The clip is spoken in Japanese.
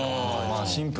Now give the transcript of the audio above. シンプルに。